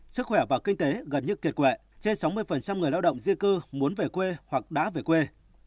sức khỏe và kinh tế gần như kiệt quệ trên sáu mươi người lao động di cư muốn về quê hoặc đã về quê